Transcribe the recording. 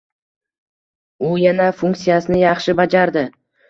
U yana funksiyasini yaxshi bajardi